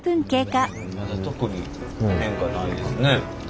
まだ特に変化ないですね。